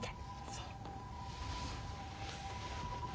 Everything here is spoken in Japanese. そう。